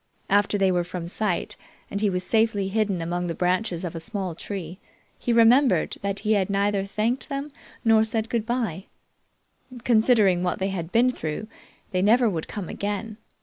After they were from sight and he was safely hidden among the branches of a small tree, he remembered that he neither had thanked them nor said good bye. Considering what they had been through, they never would come again.